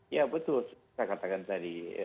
ya betul saya katakan tadi